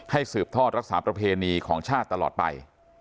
สืบทอดรักษาประเพณีของชาติตลอดไป